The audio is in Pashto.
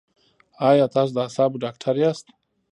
ایا تاسو د اعصابو ډاکټر یاست؟